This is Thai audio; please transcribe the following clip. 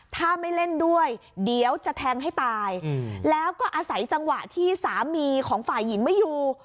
ถ้าไม่เล่นด้วยเดี๋ยวจะแทงให้ตายแล้วก็อาศัยจังหวะที่สามีของฝ่ายหญิงไม่อยู่